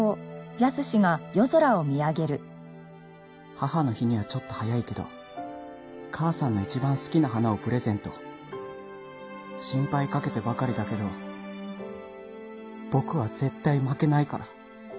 「母の日にはちょっと早いけど母さんの一番好きな花をプレゼント」「心配かけてばかりだけど僕は絶対負けないから」